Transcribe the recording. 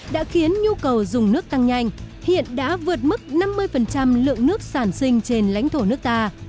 đã khiến nhu cầu dùng nước tăng nhanh hiện đã vượt mức năm mươi lượng nước sản sinh trên lãnh thổ nước ta